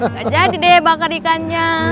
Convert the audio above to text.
nggak jadi deh bakar ikannya